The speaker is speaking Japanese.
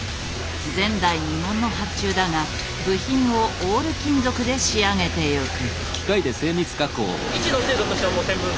前代未聞の発注だが部品をオール金属で仕上げてゆく。